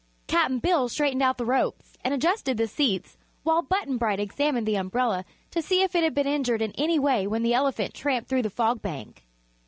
Cap'n Bill straightened out the ropes and adjusted the seats, while Button Bright examined the umbrella to see if it had been injured in any way when the elephant tramped through the Fog Bank.